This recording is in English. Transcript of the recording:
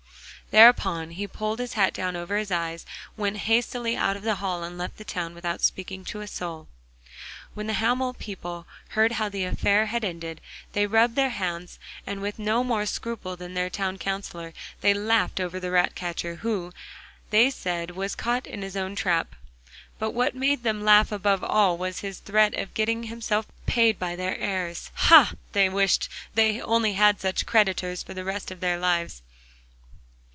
Thereupon he pulled his hat down over his eyes, went hastily out of the hall, and left the town without speaking to a soul. When the Hamel people heard how the affair had ended they rubbed their hands, and with no more scruple than their Town Counsellor, they laughed over the ratcatcher, who, they said, was caught in his own trap. But what made them laugh above all was his threat of getting himself paid by their heirs. Ha! they wished that they only had such creditors for the rest of their lives.